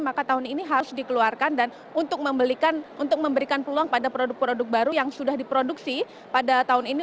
maka tahun ini harus dikeluarkan dan untuk memberikan peluang pada produk produk baru yang sudah diproduksi pada tahun ini